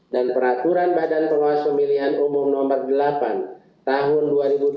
dan peraturan badan penguasa pemilihan umum no delapan tahun dua ribu dua puluh dua